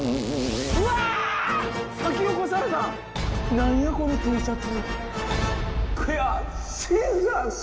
何やこのＴシャツ。